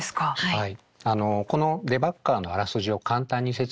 はい。